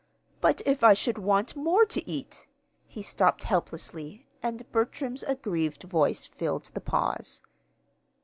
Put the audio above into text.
"But if I should want more to eat " He stopped helplessly, and Bertram's aggrieved voice filled the pause.